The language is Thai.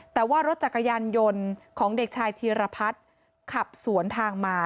แต่ว่ารถจักรยานยนต์ของเด็กชายธีรพัฒน์ขับสวนทางมา